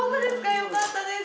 よかったです！